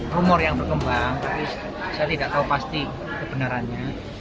rumor yang berkembang tapi saya tidak tahu pasti kebenarannya